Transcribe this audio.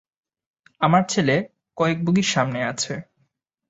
আমার ছেলে কয়েক বগি সামনে আছে।